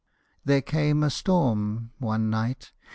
There came a storm One night.